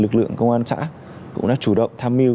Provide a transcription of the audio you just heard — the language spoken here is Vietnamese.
lực lượng công an xã cũng đã chủ động tham mưu